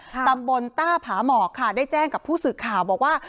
ตำบลต้าผาหมอกค่ะได้แจ้งกับผู้สื่อข่าวบอกว่า